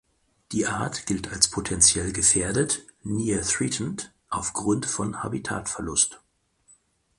Die Art gilt als potentiell gefährdet ("Near Threatened") aufgrund von Habitatverlust.